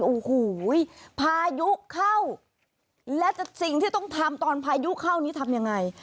โอ้โหพายุเข้าและสิ่งที่ต้องทำตอนพายุเข้านี้ทำยังไง